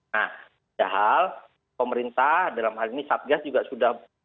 nah padahal pemerintah dalam hal ini satgas juga sudah